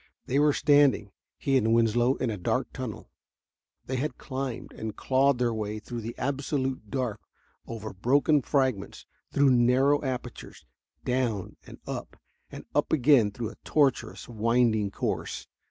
They were standing, he and Winslow, in a dark tunnel. They had climbed and clawed their way through the absolute dark, over broken fragments, through narrow apertures, down and up, and up again through a tortuous, winding course.